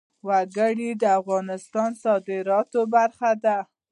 وګړي د افغانستان د صادراتو برخه ده.